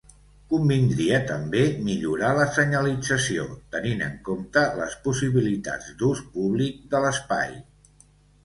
Convindria també millorar la senyalització, tenint en compte les possibilitats d'ús públic de l'espai.